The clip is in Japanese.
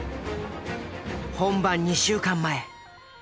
本番２週間前